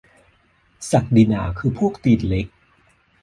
ศักดินาคือพวกตีนเล็ก ?